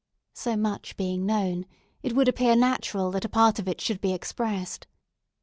So much being known, it would appear natural that a part of it should be expressed.